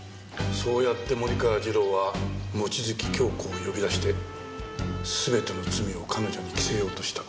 そうやって森川次郎は望月京子を呼び出して全ての罪を彼女に着せようとした。